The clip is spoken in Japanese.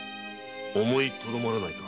思いとどまらないか？